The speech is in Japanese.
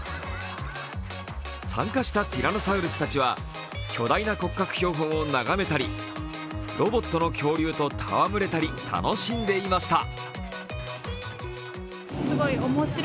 参加したティラノサウルスたちは巨大な骨格標本を眺めたりロボットの恐竜と戯れたり、楽しんでいました。